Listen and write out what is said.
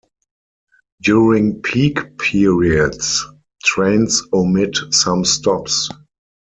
During peak periods, trains omit some stops.